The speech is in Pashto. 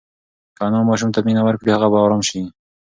که انا ماشوم ته مینه ورکړي، هغه به ارام شي.